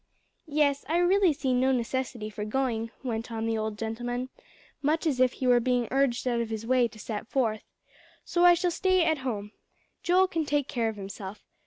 "Yes, I really see no necessity for going," went on the old gentleman, much as if he were being urged out of his way to set forth; "so I shall stay at home. Joel can take care of himself.